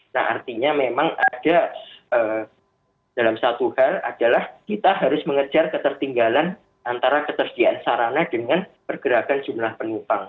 nah artinya memang ada dalam satu hal adalah kita harus mengejar ketertinggalan antara ketersediaan sarana dengan pergerakan jumlah penumpang